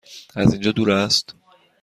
از اینجا دور است؟